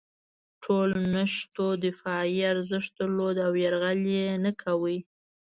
ټولو نښتو دفاعي ارزښت درلود او یرغل یې نه کاوه.